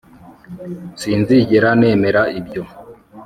Sinzigera nemera ibyo